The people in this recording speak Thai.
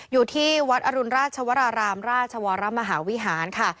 อยู่ที่วัดอรุณราชวรารามราชวรมหาวิหารค่ะ